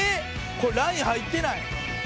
これライン入ってない？」